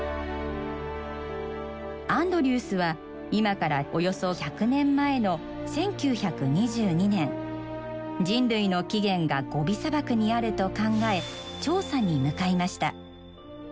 アンドリュースは今からおよそ１００年前の１９２２年人類の起源がゴビ砂漠にあると考え調査に向かいました。